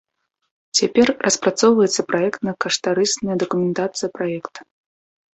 Цяпер распрацоўваецца праектна-каштарысная дакументацыя праекта.